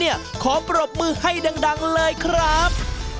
ออกออกออกออกออกออกออกออกออก